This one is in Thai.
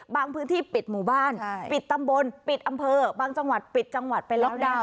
พื้นที่ปิดหมู่บ้านปิดตำบลปิดอำเภอบางจังหวัดปิดจังหวัดไปล็อกดาวน